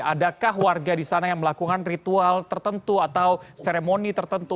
adakah warga di sana yang melakukan ritual tertentu atau seremoni tertentu